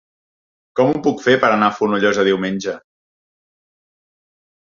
Com ho puc fer per anar a Fonollosa diumenge?